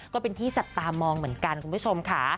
ก็เป็นที่จับตามองเหมือนกันคุณผู้ชมค่ะ